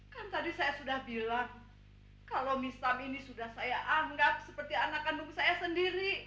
kan tadi saya sudah bilang kalau misam ini sudah saya anggap seperti anak kandung saya sendiri